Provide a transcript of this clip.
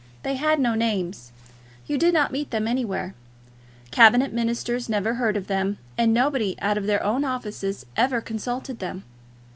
They had no names. You did not meet them anywhere. Cabinet ministers never heard of them; and nobody out of their own offices ever consulted them.